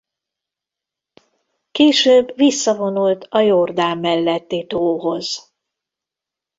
Később visszavonult a Jordán melletti tóhoz.